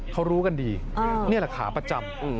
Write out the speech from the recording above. เขารู้กันดีนี่แหละขาประจำ